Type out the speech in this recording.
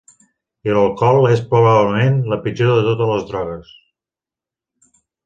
I l'alcohol és, probablement, la pitjor de totes les drogues.